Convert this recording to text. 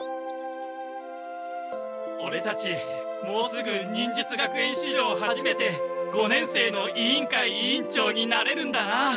オレたちもうすぐ忍術学園しじょうはじめて五年生の委員会委員長になれるんだな。